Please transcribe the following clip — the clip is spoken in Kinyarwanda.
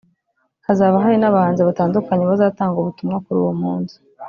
Hazaba hari n’abahanzi batandukanye bazatanga ubutumwa kuri uwo munsi